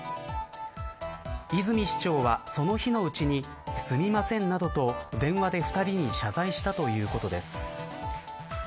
泉市長は、その日のうちにすみません、などと電話で２人に謝罪したということです。